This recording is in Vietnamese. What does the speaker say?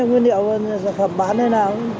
nguyên liệu sản phẩm bán thế nào